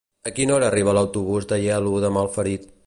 A quina hora arriba l'autobús d'Aielo de Malferit?